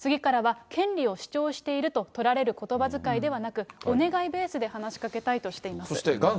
次からは権利を主張していると取られることばづかいではなく、お願いベースで話しかけたいとしています。